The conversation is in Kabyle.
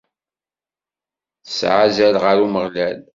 Tesɛa azal ɣer Umeɣlal.